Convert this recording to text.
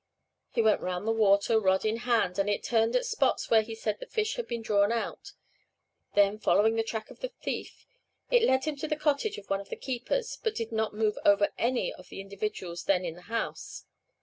He went round the water, rod in hand, and it turned at spots where he said the fish had been drawn out. Then, following the track of the thief, it led him to the cottage of one of the keepers, but did not move over any of the individuals then in the house.